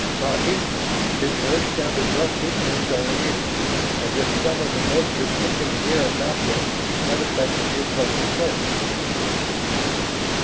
"Taggi ?" His voice sounded rusty in his own ears, as if some of the moisture thick in the air about them had affected his vocal cords.